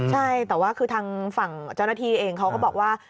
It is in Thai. ใช่แต่ว่าคือทางฝั่งเจ้าหน้าที่เองเขาก็บอกว่า